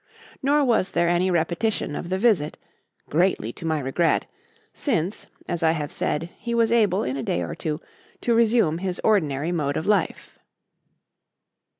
Nor was there any repetition of the visit greatly to my regret since, as I have said, he was able, in a day or two, to resume his ordinary mode of life.